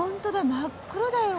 真っ黒だよ。